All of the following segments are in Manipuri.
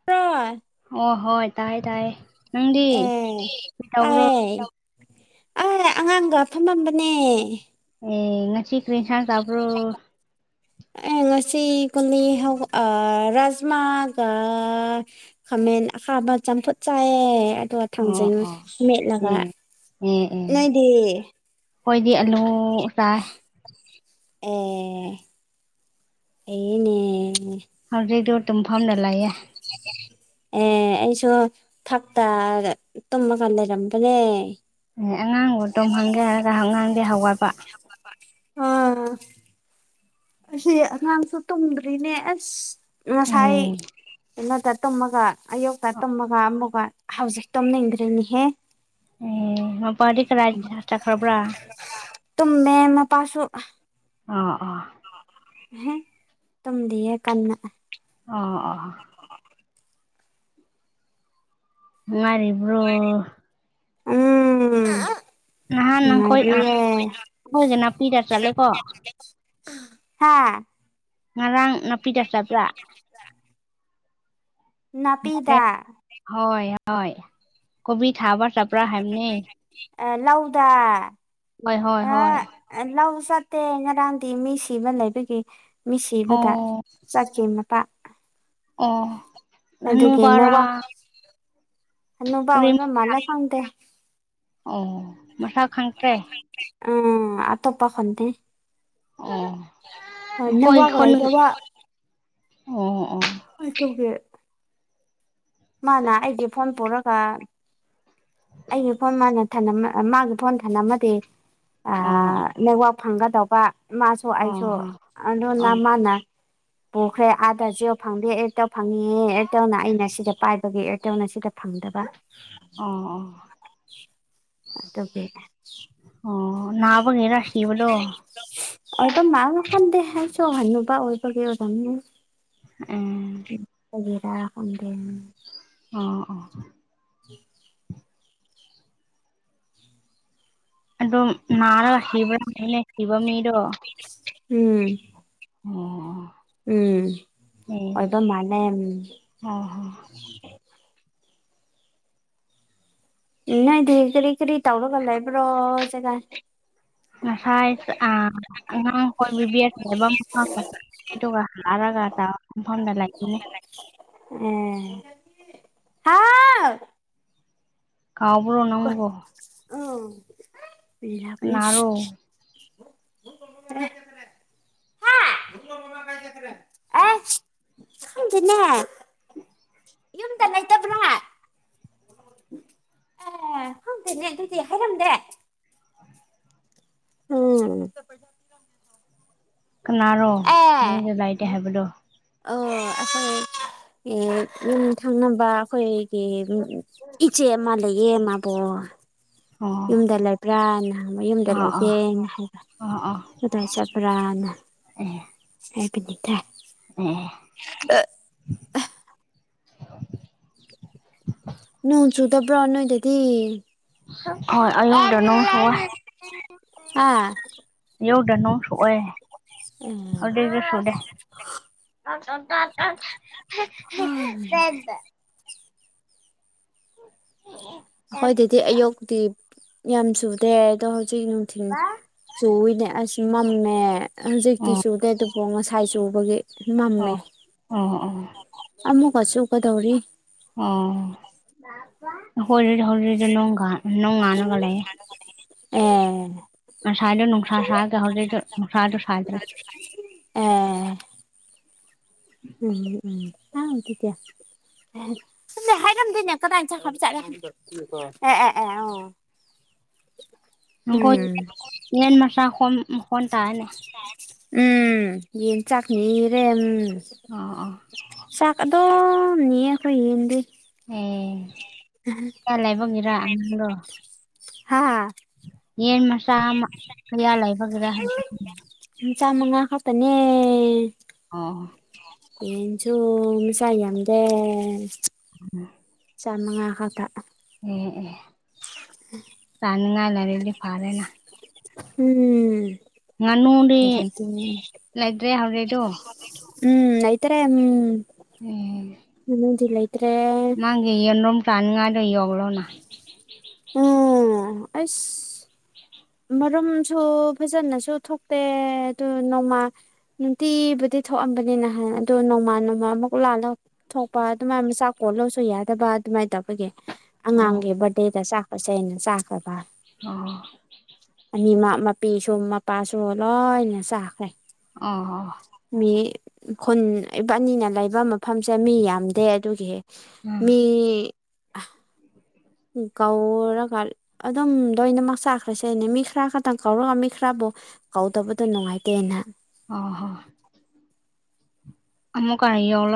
[unintelligible] ꯍ‌ꯣ ꯍꯣꯏ ꯇꯥꯏꯌ‌ꯦ ꯇꯥꯏꯌꯦ ꯅꯪꯗꯤ ꯑ‌ꯦ ꯀꯩ ꯇꯧꯕ꯭ꯔꯣ ꯇꯥꯏꯌꯦ ꯑꯩ ꯑꯉꯥꯡꯒ ꯐꯝꯃꯝꯕꯅꯦ ꯑꯦ ꯉꯁꯤ ꯀ꯭ꯔꯤ ꯏꯟꯁꯥꯡ ꯆꯥꯕ‍꯭ꯔ‌‌ꯣ ꯑꯦ ꯉꯁꯤ ꯀꯨꯂꯤ ꯍꯋꯥ ꯑꯥ ꯔꯥꯖꯃꯥꯒ ꯈꯥꯃꯦꯟ ꯑꯈꯥꯕ ꯆꯝꯐꯨꯠ ꯆꯥꯏꯌꯦ ꯑꯗ‌ꯣ ꯑꯣ ꯊꯥꯡꯖꯤꯡ ꯑꯣ ꯃꯦꯠꯂꯒ ꯑꯦ ꯅꯣꯏꯗꯤ ‌ꯈ‌ꯣꯏꯗꯤ ꯑꯂꯨ ꯆꯥꯏ ꯑꯦ ꯑꯦꯅꯦ [unintelligible] ꯍꯧꯖꯤꯛꯇ‌ꯣ ꯇꯨꯝꯐꯝꯗ ꯂꯩꯑꯦ [unintelligible] [inaudible] ꯑꯦ ꯑꯩꯁꯨ ꯐꯛꯇ ꯑ ꯇꯨꯝꯃꯒ ꯂꯩꯔꯝꯕꯅꯦ ꯑꯦ ꯑꯉꯥꯡꯕꯨ ꯇꯨꯝꯍꯟꯈ꯭ꯔꯒ ꯑꯉꯥꯡꯗꯤ ꯍꯧꯒꯠꯄ ꯑꯥ ꯑꯁꯤ ꯑꯉꯥꯡꯁꯨ ꯇꯨꯝꯗ꯭ꯔꯤꯅꯦ ꯑꯁ ꯑꯦ ꯉꯁꯥꯏ ꯀꯩꯅꯣꯗ ꯇꯨꯝꯃꯒ ꯑꯌꯨꯛꯇ ꯇꯨꯝꯃꯒ ꯑꯃꯨꯛꯀ ꯍꯧꯖꯤꯛ ꯇꯨꯝꯅꯤꯡꯗ꯭ꯔꯤꯅꯤꯍꯦ ꯑꯦ ꯃꯄꯥꯗꯤ ꯀꯗꯥꯏ ꯆꯠꯈ꯭ꯔꯕ꯭ꯔꯥ ꯇꯨꯝꯃꯦ ꯃꯄꯥꯁꯨ ꯑꯥ ꯑꯥ ꯑꯦꯍ‌ꯦ ꯇꯨꯝꯗꯤꯌ‌ꯦ ꯀꯟꯅ ꯑꯥ ꯑꯥ ꯃꯥꯔꯤ ꯎꯝ ꯅꯍꯥꯟ ꯅꯈꯣꯏ ꯑ ꯑꯩꯈꯣꯏꯒ ꯅꯥꯄꯤꯗ ꯆꯠꯂꯦꯀꯣ [unintelligible] ꯍꯥꯥ ꯉꯔꯥꯡ ꯅꯥꯄꯤꯗ ꯆꯕ꯭ꯔꯥ [unintelligible] [inaudible] ꯅꯥꯄꯤꯗ [unintelligible] ꯍꯣꯏ ꯍꯣꯏ ꯀꯣꯕꯤ ꯊꯥꯕ ꯆꯠꯄ꯭ꯔꯥ ꯍꯥꯏꯕꯅꯦ ꯑ ꯂꯧꯗꯥ ꯍꯣꯏ ꯍꯣꯏ ꯍꯣꯏ ꯂꯧ ꯆꯠꯇꯦ ꯉꯔꯥꯡꯗꯤ ꯃꯤ ꯁꯤꯕ ꯂꯩꯕꯒꯤ ꯃꯤ ꯁꯤꯕꯗ ꯑꯣ ꯆꯠꯈꯤ ꯃꯇꯥ ꯑꯣ ꯑꯗꯨꯒꯤ ꯅꯥꯋꯥ ꯍꯅꯨꯕꯔꯥ ꯅꯨꯄꯥ ꯀꯔꯤ ꯑꯣꯏꯕ ꯃꯥꯜꯂꯦ ꯈꯪꯗꯦ ꯑꯣ ꯃꯁꯥ ꯈꯪꯇ꯭ꯔꯦ ꯑ ꯑꯇꯣꯞꯄ ꯈꯟꯇꯦ ꯑꯣ ꯅꯈꯣꯏ ꯅꯋꯥꯒ ꯈꯨꯟ ꯂꯩꯕ꯭ꯔ‌ꯣ ꯋꯥ ꯑꯣ ꯑꯣ [inaudible] ꯃꯥꯅ ꯑꯩꯒꯤ ꯐꯣꯟ ꯄꯨꯔꯒ ꯑꯩꯒꯤ ꯐꯣꯟ ꯃꯥꯅ ꯊꯅꯝꯃꯥ ꯃꯥꯒꯤ ꯐꯣꯟ ꯊꯥꯟꯝꯃꯗꯤ ꯑꯥ ꯑꯣ ꯅ‌ꯦꯠꯋꯥꯛ ꯐꯪꯒꯗꯧꯕ ꯃꯥꯁꯨ ꯑꯣ ꯑꯩꯁꯨ ꯍꯣ ꯑꯗꯨꯅ ꯑꯣ ꯃꯥꯅ ꯄꯨꯈ꯭ꯔꯦ ꯑꯥꯗ ꯖꯤꯑꯣ ꯐꯪꯗꯦ ꯑꯦꯔꯇ‌ꯦꯜ ꯐꯪꯉꯦ ꯑꯦꯔꯇ‌ꯦꯜꯅ ꯑꯩꯅ ꯁꯤꯗ ꯄꯥꯏꯕꯒꯤ ꯑꯦꯔꯇ‌ꯦꯜꯅ ꯁꯤꯗ ꯐꯪꯗꯕ ꯑꯣ ꯑꯣ ꯑꯗꯨꯒꯤ ꯑꯣ ꯅꯅꯥꯕꯒꯤꯔꯁꯤꯕꯗꯣ ꯑꯗꯨꯃꯥꯏꯅꯥ ꯈꯟꯗꯦ ꯑꯩꯁꯨ ꯍꯥꯅꯨꯕ ꯑꯣꯏꯕꯒꯤꯔꯥ ꯇꯟꯅꯦ ꯎꯝ ꯎꯝ ꯑꯣꯒꯦꯔ ꯈꯪꯗꯦꯅꯦ ꯑꯥ ꯑꯥ ꯍ ꯑꯗꯨꯝ ꯅꯔꯒ ꯁꯤꯕꯔꯅꯦ ꯁꯤꯕꯃꯤꯗꯣ ꯎꯝ ꯑꯣ ꯎꯝ ꯑꯗꯨ ꯃꯥꯏꯅꯥ ꯑꯧ ꯍ ꯏꯃꯥꯏꯗꯤ ꯀꯔꯤ ꯀꯔꯤ ꯇꯎꯔꯒ ꯂꯩꯕ꯭ꯔꯣ ꯆꯒ ꯉꯁꯥꯏ ꯑ ꯑꯉꯥꯡꯈꯣꯏ ꯕꯤꯕꯤꯔꯁ ꯍꯥꯏꯕ ꯑꯃꯒꯥ ꯏꯗꯨꯒ ꯅꯥꯔꯒꯥ ꯇꯕꯥ ꯐꯝꯗ ꯂꯩꯏꯅꯦ ꯎ ꯍꯥꯎ ꯀꯥꯎꯕ꯭ꯔꯣ ꯅꯪꯕꯨ ꯑꯝ [unintelligible] ꯀꯅꯥꯔꯣ [unintelligible] ꯍꯥ [unintelligible] ꯑꯁ ꯈꯪꯗꯦꯅ ꯌꯨꯝꯗ ꯂꯩꯇꯕ꯭ꯔꯥ ꯑꯦ ꯈꯪꯇꯦꯅꯦ ꯑꯗꯨꯗꯤ ꯍꯥꯏꯔꯝꯗꯦ [unintelligible] ꯎꯝ ꯀꯅꯥꯔꯣ ꯑꯦ ꯃꯤꯁꯨ ꯂꯩꯥꯇꯦ ꯍꯥꯏꯕꯗꯣ ꯑꯣ ꯑꯩꯈꯣꯏ ꯌꯨꯝ ꯊꯪꯅꯕ ꯑꯩꯈꯣꯏ ꯀꯦ ꯏꯆꯦ ꯑꯃ ꯂꯩꯌꯦ ꯃꯥꯕꯣ ꯑꯣ ꯌꯨꯝꯗ ꯂꯩꯕ꯭ꯔꯥ ꯍꯥꯏꯅꯥ ꯍꯪꯕꯥ ꯌꯨꯝꯗ ꯑꯥ ꯑꯥ ꯂꯩꯇꯦꯅ ꯍꯥꯏꯕ ꯑꯥ ꯑꯥ ꯀꯗꯥꯥꯏ ꯆꯠꯄ꯭ꯔꯅ ꯍꯥꯏꯄꯅꯤꯇ ꯎꯝ ꯑꯦ ꯅꯣꯡ ꯆꯨꯗꯕꯔꯣ ꯅꯣꯏꯗꯥꯗꯤ ꯑꯥ ꯑꯥ [unintelligible] ꯌꯧꯗꯅꯣꯡꯁꯨ ꯑꯣꯏꯌꯦ [unintelligible] ꯁꯨꯗꯦ ꯑꯩꯈꯣꯏꯗꯗꯤ [unintelligible] [unintelligible] ꯑꯈꯣꯏꯗꯗꯤ ꯑꯌꯨꯛꯇꯤ ꯌꯥꯝ ꯆꯨꯗꯦ ꯑꯗꯣ ꯍꯧꯖꯤꯛ ꯅꯨꯡꯊꯤꯜ ꯆꯨꯏꯅꯦ ꯑꯁ ꯃꯝꯃꯦ ꯍꯧꯖꯤꯛꯇꯤ ꯆꯨꯗꯦ ꯑꯗꯨꯕꯨ ꯉꯁꯥꯏ ꯆꯨꯕꯒꯤ ꯑꯣ ꯃꯝꯃꯦ ꯑꯣ ꯑꯣ ꯑꯃꯨꯛꯀ ꯁꯨꯀꯗꯧꯔꯤ ꯎꯝ ꯑꯩꯈꯣꯏꯗꯗꯤ ꯍꯧꯖꯤꯛꯇꯤ ꯅꯣꯡꯒꯟ ꯅꯣꯡ ꯉꯜꯂꯒꯥ ꯂꯩꯌꯦ ꯑꯦ ꯉꯁꯥꯏꯗꯣ ꯅꯨꯡꯁꯥ ꯁꯥꯗꯦ ꯍꯧꯖꯤꯛꯇꯨ ꯅꯨꯡꯁꯥꯗꯨ ꯁꯥꯗ꯭ꯔꯦ ꯑ ꯎꯝ ꯎꯝ [unintelligible] ꯁꯨꯝꯅ ꯍꯥꯏꯔꯝꯗꯦꯅꯦ ꯀꯗꯥꯏ ꯆꯠꯈꯔꯕ ꯖꯠꯂꯦ ꯑꯦ ꯑꯦ ꯑꯦ ꯑꯦ ꯅꯪꯀꯣꯏ ꯌꯦꯟ ꯃꯁꯥ ꯍꯣꯟ ꯃꯈꯣꯟ ꯇꯥꯏꯅꯦ ꯎꯝ ꯌꯦꯟ ꯆꯥꯛꯅꯤꯔꯦ ꯎꯝ ꯑ ꯑ ꯆꯥꯛ ꯑꯗꯨꯝ ꯅꯤꯌꯦ ꯑꯈꯣꯏ ꯌꯦꯟꯗꯤ ꯑꯦ ꯀꯌꯥ ꯂꯩꯕꯒꯤꯔꯥ ꯑꯉꯥꯡꯂꯣ ꯍꯥ ꯌꯦꯟ ꯃꯁꯥ ꯑꯃ ꯀꯌꯥ ꯂꯩꯕꯒꯤꯔ ꯍꯥꯏ ꯆꯥ ꯃꯉꯥ ꯈꯛꯇꯅꯦ ꯑꯣ ꯌꯦꯟꯁꯨ ꯃꯆꯥ ꯌꯥꯝꯗꯦ [unintelligible] ꯃꯆꯥ ꯃꯉꯥ ꯈꯛꯇ ꯑꯦ ꯑꯦ ꯇꯥꯅꯤꯡꯉꯥꯏ ꯂꯩꯔꯗꯤ ꯐꯔꯦꯅ ꯎꯝ ꯉꯥꯅꯨꯗꯤ ꯀꯩ ꯂꯩꯇꯦꯅꯦ ꯂꯩꯇ꯭ꯔꯦ ꯍꯧꯖꯤꯛꯇꯣ ꯎꯝ ꯂꯩꯇꯔꯦ ꯎꯝ ꯎꯝ ꯉꯥꯅꯨꯗꯤ ꯂꯩꯇꯔꯦ ꯃꯥꯒꯤ ꯌꯦꯟꯔꯨꯝ ꯇꯟꯅꯤꯡꯉꯥꯏꯗ ꯌꯧꯔꯣꯅ ꯎꯝ ꯑꯁ ꯃꯔꯨꯝꯁꯨ ꯐꯖꯅꯁꯨ ꯊꯣꯛꯇꯦ ꯑꯗꯨ ꯅꯣꯡꯃ ꯅꯨꯡꯇꯤꯕꯨꯗꯤ ꯊꯣꯛꯑꯝꯕꯅꯤ ꯅꯍꯥꯟ ꯑꯗꯨꯒ ꯅꯣꯡꯃꯥ ꯅꯣꯡꯃꯥ ꯑꯃꯨꯛ ꯂꯥꯜꯂꯧ ꯊꯣꯛꯄ ꯑꯗꯨꯃꯥꯏ ꯃꯆꯥꯥꯛ ꯀꯣꯂꯣꯁꯨ ꯌꯥꯗꯕ ꯑꯗꯨꯃꯥꯏ ꯇꯧꯕꯒꯤ ꯑꯣ ꯑꯉꯥꯡꯒꯤ ꯕꯥꯔꯗꯦꯗ ꯆꯥꯛꯄꯁꯦ ꯑꯩꯅ ꯆꯥꯈ꯭ꯔꯕ ꯑꯣ ꯑꯅꯤꯃꯛ ꯃꯄꯤꯁꯨ ꯃꯄꯥꯁꯨ ꯂꯣꯏꯅ ꯆꯥꯈ꯭ꯔꯦ ꯎꯝꯍꯝ ꯃꯤ ꯈꯨꯟ ꯏꯕꯥꯟꯅꯤꯅ ꯂꯩꯕ ꯃ__ ꯃꯐꯝꯁꯦ ꯃꯤ ꯌꯥꯝꯗꯦ ꯑꯗꯨꯒꯤ ꯎꯝ ꯃꯤ [inaudible] ꯀꯧꯔꯨꯔꯒ ꯑꯗꯨꯝ ꯂꯣꯏꯅꯃꯛ ꯆꯥꯈ꯭ꯔꯁꯦꯅꯦ ꯃꯤ ꯈꯔ ꯈꯛꯇꯪ ꯀꯧꯔꯒ ꯃꯤ ꯈꯔꯕꯨ ꯀꯧꯗꯕꯗꯣ ꯅꯨꯡꯉꯥꯏꯇꯦꯅ ꯑꯣ ꯍꯣ ꯑꯃꯛꯀꯥ [unintelligible]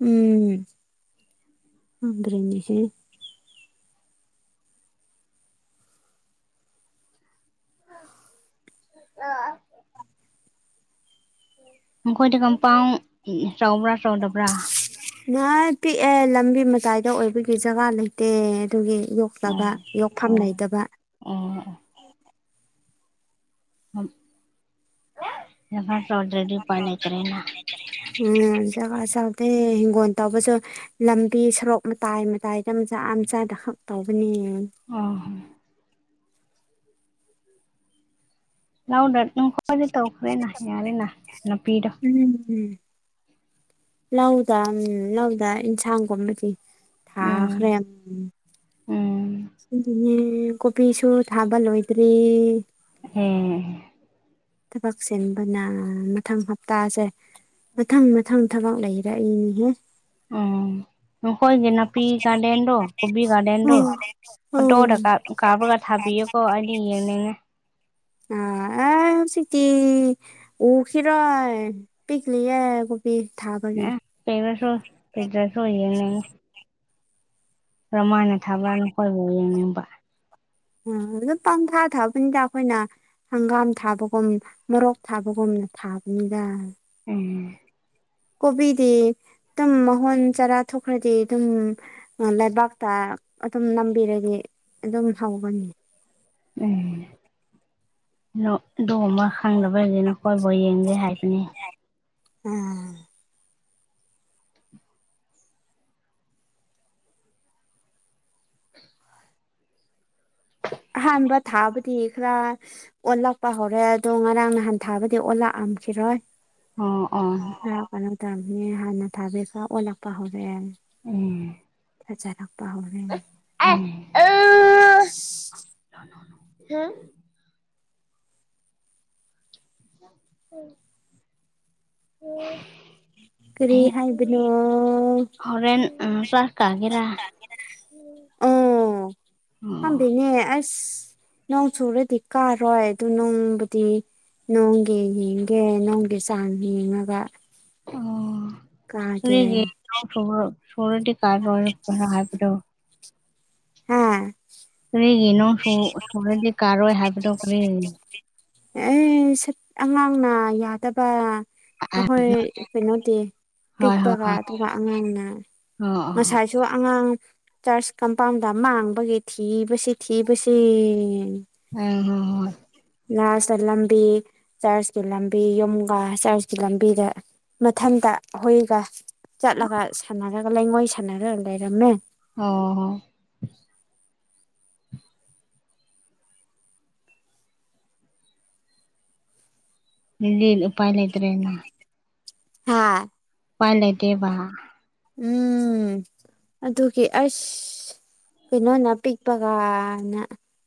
ꯎꯝ ꯈꯪꯗ꯭ꯔꯤ [unintelligible] ꯑ ꯃꯈꯣꯏꯗꯤ ꯀꯝꯄꯥꯎꯟꯗ ꯆꯥꯎꯕ꯭ꯔꯥ ꯆꯥꯎꯗꯕ꯭ꯔꯥ ꯑꯗꯨꯃꯥꯏ ꯄꯤꯛꯑꯦ ꯂꯝꯕꯤ ꯃꯇꯥꯏꯗ ꯑꯣꯏꯕꯒꯤ ꯖꯒꯥ ꯂꯩꯇꯦ ꯑꯗꯨꯒꯤ ꯌꯣꯛꯇꯕ ꯌꯣꯛꯐꯝ ꯂꯩꯩꯇꯕ ꯎꯝ [unintelligible] ꯌꯥꯝꯄꯥꯛ ꯆꯥꯎꯗꯔꯗꯤ [unintelligible] ꯎꯝ ꯖꯒꯥ ꯆꯥꯗꯦ ꯍꯤꯡꯒꯣꯜ ꯇꯧꯕꯁꯨ ꯂꯝꯕꯤ ꯁꯣꯔꯣꯛ ꯃꯇꯥꯏ ꯃꯇꯥꯏꯗ ꯃꯆꯥ ꯃꯆꯥꯗ ꯈꯛ ꯇꯧꯕꯅꯤꯅꯦ ꯑꯣ [unintelligible] ꯇꯧꯈ꯭ꯔꯦꯅ ꯌꯥꯔꯦꯅ ꯅꯄꯤꯗꯣ [unintelligible] ꯂꯧꯗ ꯂꯧꯗ ꯏꯟꯁꯥꯡꯒꯨꯝꯕꯗꯤ ꯎꯝ ꯊꯥꯈ꯭ꯔꯦ ꯎꯝ ꯑꯗꯨꯅꯦ ꯀꯣꯕꯤꯁꯨ ꯊꯥꯕ ꯂꯣꯏꯗ꯭ꯔꯤ ꯎꯝ ꯊꯕꯛ ꯆꯤꯟꯕꯅ ꯃꯊꯪ ꯍꯞꯇꯥꯁꯦ ꯃꯊꯪ ꯃꯊꯪ ꯊꯕꯛ ꯂꯩꯔꯛꯏꯅꯤꯍꯦ ꯎꯝ ꯅꯈꯣꯏꯒꯤ ꯅꯥꯄꯤ ꯒꯥꯔꯗꯦꯟꯗꯣ ꯀꯨꯝꯕꯤ ꯒꯥꯔꯗꯦꯟꯗ ꯎꯝ ꯈꯨꯟꯇꯣꯔꯒ ꯀꯥꯕꯒ ꯊꯥꯕꯤꯌꯨꯀꯣ ꯑꯩꯗꯤ ꯌꯦꯡꯅꯤꯡꯉꯦ ꯑ ꯑꯦ ꯍꯧꯖꯤꯛꯇꯤ ꯎꯈꯤꯔꯣꯏ ꯄꯤꯛꯂꯤ ꯌꯦ ꯄꯤ ꯊꯥꯕꯒꯤ ꯄꯤꯛꯂꯁꯨ ꯄꯤꯛꯇ꯭ꯔꯁꯨ ꯌꯦꯡꯅꯤꯡꯉꯦ ꯀꯗꯨꯃꯥꯏꯟꯅ ꯊꯥꯕ꯭ꯔ ꯅꯈꯣꯏꯕꯨ ꯌꯦꯡꯅꯤꯡꯕ ꯎꯝ ꯑꯗꯨꯗ ꯄꯪꯊꯥ ꯊꯥꯕꯅꯤꯗ ꯑꯩꯈꯣꯏꯅ ꯍꯪꯒꯥꯝ ꯊꯥꯕꯒꯨꯝ ꯃꯣꯔꯣꯛ ꯊꯥꯕꯒꯨꯝꯅ ꯊꯥꯕꯅꯤꯗ ꯎꯝ ꯀꯨꯕꯤꯗꯤ ꯑꯗꯨꯝ ꯃꯍꫭꯟ ꯆꯔꯥ ꯊꯣꯛꯈ꯭ꯔꯗꯤ ꯑꯗꯨꯝ ꯂꯩꯕꯥꯛꯇ ꯑꯗꯨꯝ ꯅꯝꯕꯤꯔꯗꯤ ꯑꯗꯨꯝ ꯍꯧꯕꯅꯤ ꯑꯩ ꯂꫭ ꯑꯗꯨꯒꯨꯝꯕ ꯈꯪꯗꯕꯒꯤ ꯅꯈꯣꯏꯕꯨ ꯌꯦꯡꯒꯦ ꯍꯥꯏꯕꯅꯤ ꯎꯝ ꯑꯍꯥꯟꯕ ꯊꯥꯕꯗꯤ ꯈ꯭ꯔ ꯑꯣꯜꯂꯛꯄ ꯍꯧꯔꯦ ꯑꯗꯣ ꯉꯔꯥꯡ ꯅꯍꯥꯟ ꯊꯥꯕꯗꯤ ꯑꯣꯜꯂꯛꯑꯝꯈꯤꯔꯣꯏ ꯑꯣ ꯑꯣ [unintelligible] ꯍꯥꯟꯅ ꯊꯥꯕꯤꯒ ꯑꯣꯜꯂꯛꯄ ꯍꯧꯔꯛꯑꯦ ꯎꯝ ꯐꯖꯔꯛꯄ ꯍꯧꯔꯦ ꯑꯩ ꯎ [inaudible] ꯅꫭ ꯅꫭ ꯅꫭ ꯍꯨꯝ [unintelligible] ꯀꯔꯤ ꯑꯩ ꯍꯥꯏꯕꯅꯣ ꯍꯣꯔꯦꯟ ꯎꯝ ꯆꯥꯛ ꯀꯥꯒꯦꯔꯥ ꯎꯝ ꯑꯣ ꯈꯪꯗꯦꯅꯦ ꯑꯁ ꯅꯣꯡ ꯆꯨꯔꯗꯤ ꯀꯥꯔꯣꯏ ꯑꯗꯨ ꯅꯣꯡꯕꯨꯗꯤ ꯅꯣꯡꯒꯤ ꯌꯦꯡꯒꯦ ꯅꯣꯡꯒꯤ ꯆꯥꯡ ꯌꯦꯡꯉꯒ ꯑꯣ ꯀꯥꯒꯦ [unintelligible] ꯍꯥꯏꯕꯗꯣ ꯍꯥꯥ ꯀꯔꯤꯒꯤꯅꯣ ꯁꯨ ꯁꯨꯔꯗꯤ ꯀꯥꯔꯣꯏ ꯍꯥꯏꯕꯗꯣ ꯀꯔꯤ ꯑꯦ ꯁꯤꯠ ꯑꯉꯥꯡꯅ ꯌꯥꯗꯕ꯫ ꯑꯍꯣꯢ ꯀꯩꯅꯣꯗꯤ ꯍꯣꯏ ꯍꯣꯏ ꯄꯤꯛꯄꯒ ꯍꯣꯏ ꯑꯗꯨꯒ ꯑꯉꯥꯡꯅ꯫ ꯑꯣ꯫ ꯑꯣ ꯉꯁꯥꯏꯁꯨ ꯑꯉꯥꯡ ꯆꯥꯔꯆ ꯀꯝ ꯄꯥꯝꯗ ꯃꯥꯡꯕꯒꯤ ꯊꯤꯕꯁꯤ ꯊꯤꯕꯁꯤ꯫ ꯑꯝ ꯍꯣ ꯍꯣꯢ꯫ ꯂꯥꯁꯇ ꯂꯝꯕꯤ ꯆꯔꯁꯀꯤ ꯂꯝꯕꯤ ꯌꯨꯝꯒꯥ ꯆꯔꯁꯀꯤ ꯂꯝꯕꯤꯒ꯫ ꯃꯊꯟꯇ ꯍꯣꯏꯒ ꯆꯠꯂꯒ ꯁꯥꯟꯅꯔꯒ ꯂꯩꯉꯣꯏ ꯁꯥꯟꯅꯔꯒ ꯂꯩꯔꯝꯃꯦ꯫ ꯑꯣ ꯍꯣ꯫ ꯅꯨꯡꯗꯤꯟ ꯎꯄꯥꯏ ꯂꯩꯇ꯭ꯔꯦꯅ ꯍꯥ ꯎꯄꯥꯏ ꯂꯩꯇꯦꯕ ꯎꯝ ꯑꯗꯨꯒꯤ ꯑꯁ ꯀꯩꯅꯣꯅ ꯄꯤꯛꯄꯒꯅ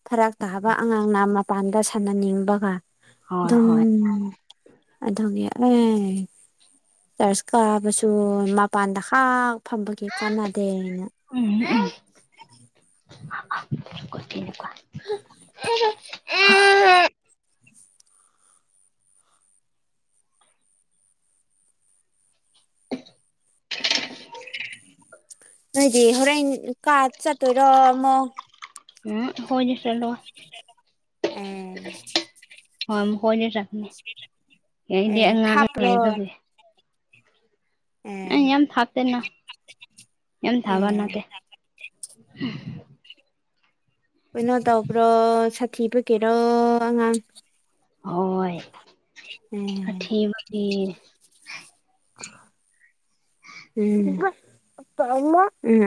ꯐꯔꯛ ꯇꯥꯕ ꯑꯉꯥꯡꯅ ꯃꯄꯥꯟꯗ ꯁꯥꯟꯅꯅꯤꯡꯕꯒ ꯍꯣꯏ ꯑꯗꯨꯝ ꯍꯣꯏ ꯑꯗꯨꯒꯤ ꯑꯦ ꯆꯔꯁ ꯀꯥꯕꯁꯨ ꯃꯄꯥꯟꯗ ꯍꯥꯛ ꯐꯝꯕꯒꯤ ꯀꯥꯟꯅꯗꯦꯅ ꯎꯝ [inaudible] ꯑꯥ꯫ [inaudible] ꯅꯣꯏꯗꯤ ꯍꯣꯔꯦꯟ ꯀꯥ ꯆꯥꯠꯇꯣꯏꯔꯣ ꯑꯃꯨꯛ꯫ ꯎꯝ ꯍꯣꯢꯗꯤ ꯆꯠꯂꯣꯢ꯫ [inaudible] ꯑꯦ ꯍꯣꯏ ꯃꯈꯣꯏꯗꯤ ꯆꯠꯅꯤ ꯑꯩꯗꯤ ꯑꯦ ꯑꯉꯥꯡ ꯊꯥꯞꯄ꯭ꯔꯣ ꯂꯩꯕꯒꯤ꯫ ꯑꯥ ꯑꯦ ꯌꯥꯝ ꯊꯥꯄꯦꯅ ꯌꯥꯝ ꯊꯥꯕ ꯑꯦ ꯅꯠꯇꯦ꯫ ꯀꯩꯅꯣ ꯇꯧꯕ꯭ꯔꯣ ꯁꯥꯊꯤ ꯕꯒꯤꯔꯣ ꯑꯉꯥꯡ꯫ ꯍꯣꯏ ꯑꯦ ꯁꯥꯊꯤꯕꯒꯤ꯫ ꯎꯝ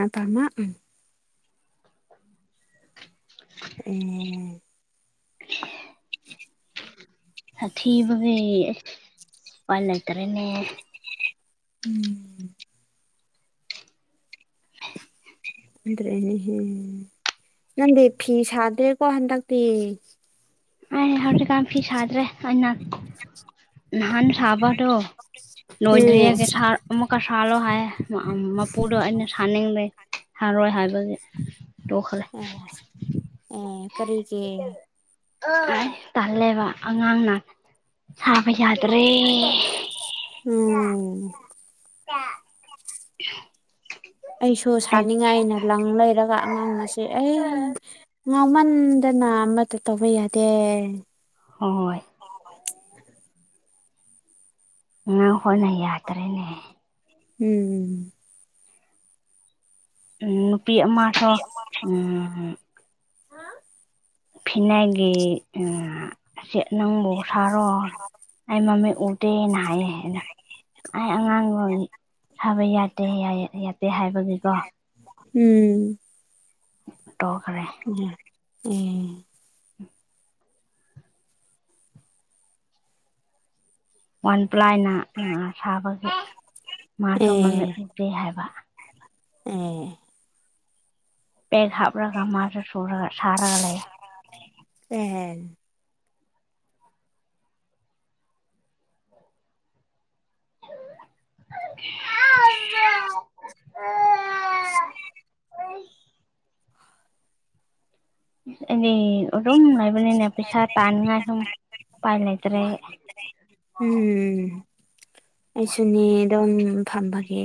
ꯑꯇꯃꯥ꯫ ꯎꯝ꯫ ꯁꯥꯊꯤꯕꯒꯤ ꯑꯁ ꯄꯥꯏ ꯂꯩꯇꯔꯦꯅꯦ꯫ ꯎꯝ꯫ ꯗ꯭ꯔꯦꯅꯦꯍꯦ ꯅꯪꯗꯤ ꯐꯤ ꯁꯥꯗ꯭ꯔꯦꯀꯣ ꯍꯟꯗꯛꯇꯤ꯫ ꯑꯩ ꯍꯧꯖꯤꯛꯀꯥꯟ ꯐꯤ ꯁꯥꯗ꯭ꯔꯦ ꯑꯩꯅ ꯅꯍꯥꯟ ꯁꯥꯕꯗꯣ꯫ ꯎꯝ ꯅꯣꯏꯗ꯭ꯔꯤꯒ ꯁꯥꯔ ꯑꯃꯨꯛꯀ ꯁꯥꯍꯜꯂꯣ ꯍꯥꯏ ꯃꯄꯨꯗꯣ ꯑꯩꯅ ꯁꯥꯅꯤꯡꯕꯩ꯫ ꯍꯥꯔꯣꯏ ꯍꯥꯏꯕꯒꯤ ꯇꯣꯛꯈꯂꯦ꯫ ꯑꯦ ꯀꯔꯤꯒꯦ꯫ ꯑ ꯇꯜꯂꯦꯕ ꯑꯉꯥꯡꯅ ꯁꯥꯕ ꯌꯥꯗ꯭ꯔꯦ꯫ ꯎꯝ꯫ ꯇ [unintelligible] [unintelligible] [inaudible] ꯑꯩꯁꯨ ꯑꯩ ꯁꯥꯅꯤꯡꯉꯥꯏꯅ ꯂꯪ ꯂꯩꯔꯒ ꯑꯉꯥꯡ ꯑꯁꯦ ꯑꯩ꯫ ꯉꯥꯎꯃꯟꯗꯅ ꯑꯃꯇ ꯇꯧꯕ ꯌꯥꯗꯦ꯫ ꯍꯣ ꯍꯣꯏ꯫ ꯑꯉꯥꯡ ꯍꯣꯏꯅ ꯌꯥꯗ꯭ꯔꯦꯅꯦ꯫ ꯎꯝ꯫ ꯑꯝ ꯅꯨꯄꯤ ꯑꯃꯁꯨ ꯎꯝ꯫ ꯐꯤꯅꯥꯏꯒꯤ ꯑ ꯁꯦ ꯅꯪꯕꯨ ꯁꯥꯔꯣ ꯑꯩ ꯃꯃꯤ ꯎ꯫ ꯗꯦ ꯑꯅ ꯥꯏꯌꯦ ꯑꯩꯅ ꯑꯩ ꯑꯉꯥꯡꯗ ꯁꯥꯕ ꯌꯥꯗꯦ ꯍꯥꯏ ꯌꯥꯗꯦ ꯍꯥꯏꯕꯒꯤꯀꯣ꯫ ꯎꯝ꯫ ꯇꯣꯛꯈ꯭ꯔꯦ꯫ ꯎꯝ꯫ ꯋꯥꯟ ꯄ꯭ꯂꯥꯏꯅ ꯁꯥꯕꯒꯤ ꯑꯦ ꯃꯥꯁꯨ ꯃꯃꯤꯠ ꯑꯦ ꯎꯗꯦ ꯍꯥꯏꯕ ꯑꯦ ꯄꯦꯗ ꯍꯥꯞꯔꯒ ꯃꯥꯁꯨ ꯁꯨꯔꯒ ꯁꯥꯔꯒ ꯂꯩꯌꯦ ꯑꯦꯍ [unintelligible] [unintelligible] [unintelligible] [unintelligible] ꯎ [unintelligible] ꯑꯩꯗꯤ ꯑꯗꯨꯝ ꯂꯩꯕꯅꯤꯅꯦ ꯄꯩꯁꯥ ꯇꯥꯅꯤꯡꯉꯥꯏ ꯁꯨꯝ ꯎꯄꯥꯏ ꯂꯩꯇ꯭ꯔꯦ꯫ ꯎꯝ ꯑꯩꯁꯨꯅꯤ ꯑꯗꯨꯝ ꯐꯝꯕꯒꯦ꯫